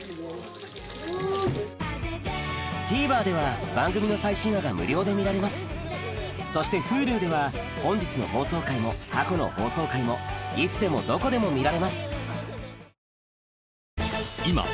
ＴＶｅｒでは番組の最新話が無料で見られますそしてＨｕｌｕでは本日の放送回も過去の放送回もいつでもどこでも見られます